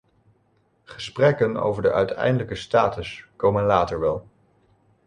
Gesprekken over de uiteindelijke status komen later wel.